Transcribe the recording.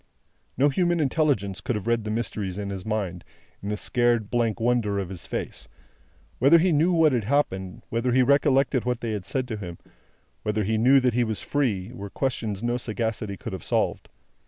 No human intelligence could have read the mysteries of his mind, in the scared blank wonder of his face. Whether he knew what had happened, whether he recollected what they had said to him, whether he knew that he was free, were questions which no sagacity could have solved.